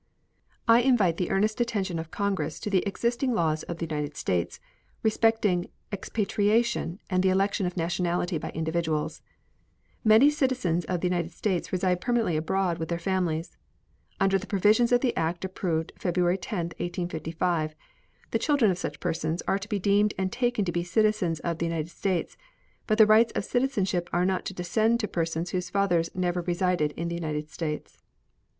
I invite the earnest attention of Congress to the existing laws of the United States respecting expatriation and the election of nationality by individuals. Many citizens of the United States reside permanently abroad with their families. Under the provisions of the act approved February 10, 1855, the children of such persons are to be deemed and taken to be citizens of the United States, but the rights of citizenship are not to descend to persons whose fathers never resided in the United States.